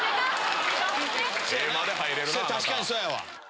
確かにそうやわ。